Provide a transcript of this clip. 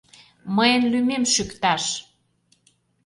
Мыйын лӱмем шӱкташ!..